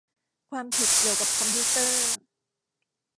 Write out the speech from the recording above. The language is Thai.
ความผิดเกี่ยวกับคอมพิวเตอร์